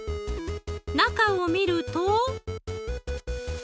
中を見ると。